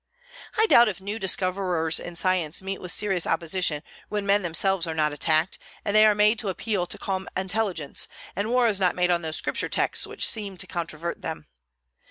I doubt if new discoverers in science meet with serious opposition when men themselves are not attacked, and they are made to appeal to calm intelligence, and war is not made on those Scripture texts which seem to controvert them.